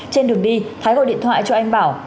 trên đường đi thái gọi điện thoại cho anh bảo